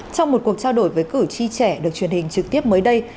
trong một cuộc trao đổi với cử tri trẻ được truyền hình trực tiếp mới đây